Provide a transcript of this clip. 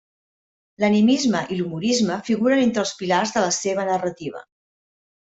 I l'animisme i l'humorisme figuren entre els pilars de la seva narrativa.